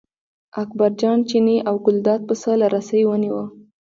اکبرجان چینی او ګلداد پسه له رسۍ ونیوه.